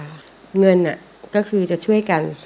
เงินก็คือจะช่วยกัน